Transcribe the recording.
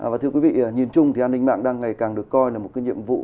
và thưa quý vị nhìn chung thì an ninh mạng đang ngày càng được coi là một cái nhiệm vụ